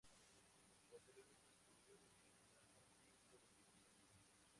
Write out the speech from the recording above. Posteriormente se convirtió en la biblia del movimiento.